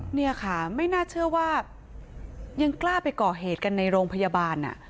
เนี่ยค่ะไม่น่าเชื่อว่ายังกล้าไปก่อเหตุกันในโรงพยาบาล